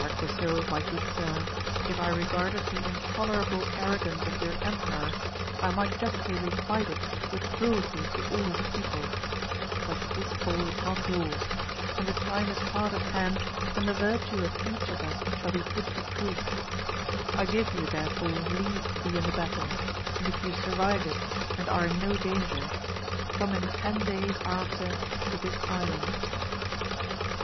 quisil, my good sir, if I regarded the intolerable ar rogance of your emperor I might justly requite it with cruelty to all his people ; but his fault is not yours, and the time is hard at hand, when the virtue of each of us shall be put to proof: I give you therefore leave to be in the battle, and if you survive it, and are in no danger, come in ten days after to this island.